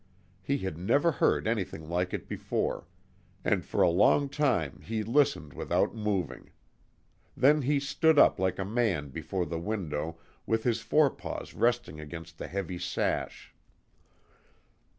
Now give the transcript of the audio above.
He had never heard anything like it before, and for a long time he listened without moving. Then he stood up like a man before the window with this fore paws resting against the heavy sash.